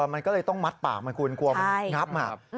มันก็เลยต้องมัดปากมันคุณกลัวมันงับ